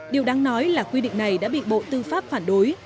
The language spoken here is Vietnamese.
điều đáng nói là quy định này đã bị bộ tư pháp phản đối